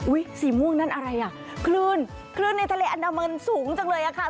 สีม่วงนั่นอะไรอ่ะคลื่นคลื่นในทะเลอันดามันสูงจังเลยอะค่ะ